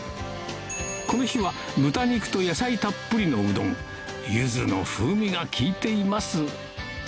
この日は豚肉と野菜たっぷりのうどんゆずの風味が効いています